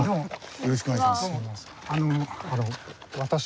よろしくお願いします。